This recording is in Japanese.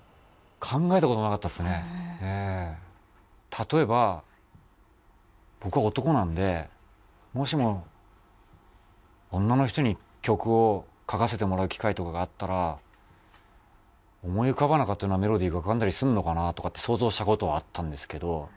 例えば僕は男なのでもしも女の人に曲を書かせてもらう機会とかがあったら思い浮かばなかったようなメロディーが浮かんだりするのかなとかって想像した事はあったんですけど。